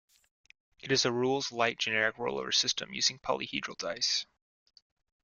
It is a rules light generic roll-over system using polyhedral dice.